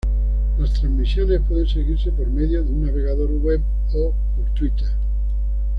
La transmisiones pueden seguirse por medio de un navegador Web o por Twitter.